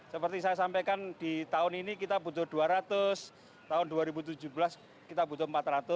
seperti saya sampaikan di tahun ini kita butuh dua ratus tahun dua ribu tujuh belas kita butuh empat ratus